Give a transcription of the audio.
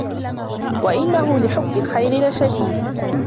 وإنه لحب الخير لشديد